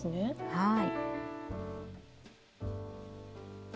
はい。